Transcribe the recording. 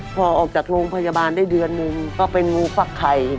พอออกจากโรงพยาบาลได้เดือนหนึ่งก็เป็นงูฟักไข่